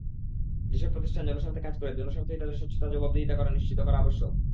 যেসব প্রতিষ্ঠান জনস্বার্থে কাজ করে, জনস্বার্থেই তাদের স্বচ্ছতা-জবাবদিহি নিশ্চিত করা আবশ্যক।